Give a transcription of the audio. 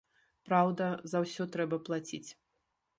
Праўда, за ўсё трэба плаціць.